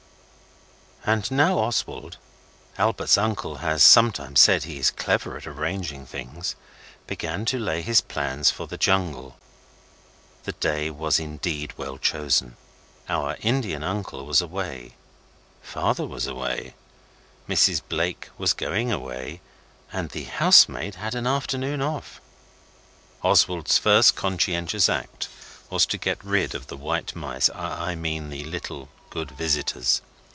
And now Oswald Albert's uncle has sometimes said he is clever at arranging things began to lay his plans for the jungle. The day was indeed well chosen. Our Indian uncle was away; Father was away; Mrs Blake was going away, and the housemaid had an afternoon off. Oswald's first conscious act was to get rid of the white mice I mean the little good visitors.